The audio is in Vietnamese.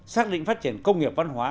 xác định phát triển công nghiệp văn hóa